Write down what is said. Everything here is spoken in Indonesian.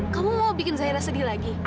kamu mau bikin zahira sedih lagi